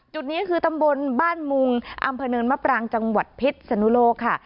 จุดนี้คือตำบลบ้านมุงอำเภอเนินมะปรางจังหวัดพิษสนุโลกค่ะ